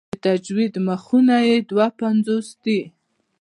د تجوید مخونه یې دوه پنځوس دي.